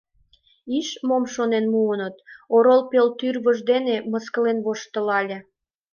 Иш, мом шонен муыныт, — орол пел тӱрвыж дене мыскылен воштылале.